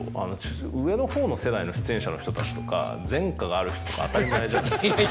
上のほうの世代の出演者の人たちとか前科がある人とか当たり前じゃないですか。